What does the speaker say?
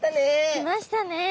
来ましたね。